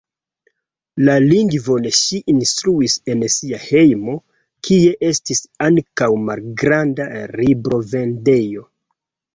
La lingvon ŝi instruis en sia hejmo, kie estis ankaŭ malgranda librovendejo.